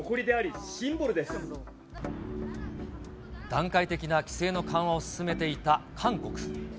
段階的な規制の緩和を進めていた韓国。